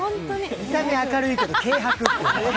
見た目、明るいけど軽薄。